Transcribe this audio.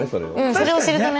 それを知るとね。